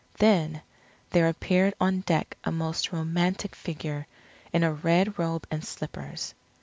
Then, there appeared on deck a most romantic figure, in a red robe and slippers.